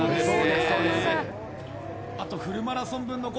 あとフルマラソン分